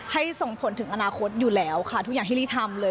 ส่งผลถึงอนาคตอยู่แล้วค่ะทุกอย่างที่ลี่ทำเลย